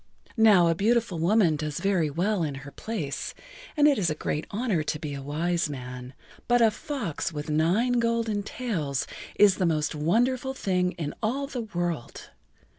Now a beautiful woman does very well in her place and it is a great honor to be a wise man, but a fox with nine golden tails is the most wonderful thing in all the world.